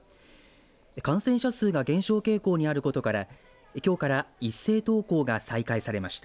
感染者数が減少傾向にあることからきょうから一斉登校が再開されました。